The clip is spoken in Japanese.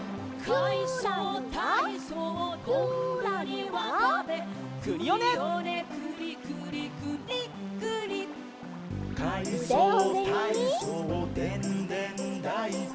「かいそうたいそうでんでんだいこ」